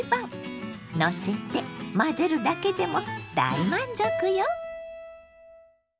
のせて混ぜるだけでも大満足よ！